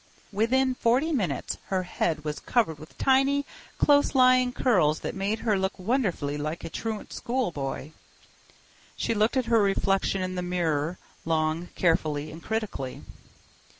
Within forty minutes her head was covered with tiny, close lying curls that made her look wonderfully like a truant schoolboy. She looked at her reflection in the mirror long, carefully, and critically.